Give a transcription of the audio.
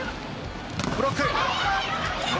ブロック。